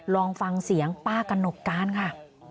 ลองฟังเสียงป้ากระหนกการค่ะ